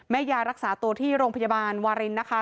ยารักษาตัวที่โรงพยาบาลวารินนะคะ